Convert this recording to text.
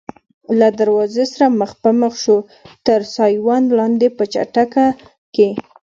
له دروازې سره مخ په مخ شوو، تر سایوان لاندې په چټک کې.